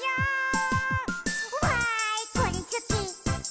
「わーいこれすき！